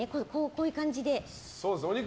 こういう感じで。